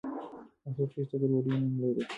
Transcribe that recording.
اپوفیس د ګډوډۍ نوم لري.